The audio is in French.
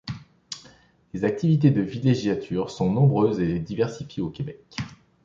Les activités de villégiature sont nombreuses et diversifiées au Québec.